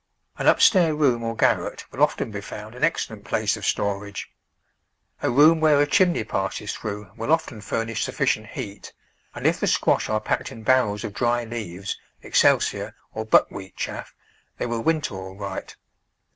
An upstair room or garret will often be found an excellent place of storage. A room where a chim ney passes through will often furnish sufficient heat, and if the squash are packed in barrels of dry leaves, excelsior, or buckwheat chaff, they will winter all right.